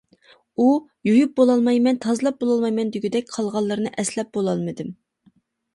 ئۇ: «يۇيۇپ بولالايمەن، تازىلاپ بولالايمەن» دېگۈدەك، قالغانلىرىنى ئەسلەپ بولالمىدىم.